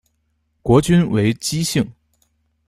国君为姬姓。